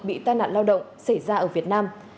bị tai nạn lao động xảy ra ở việt nam